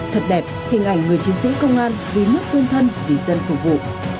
thật đẹp hình ảnh người chiến sĩ công an vì nước quên thân vì dân phục vụ